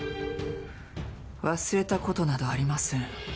忘れたことなどありません。